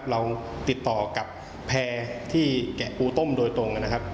นี้จะติดต่อกับแผลที่แกะกูต้มโดนตรงนะครับ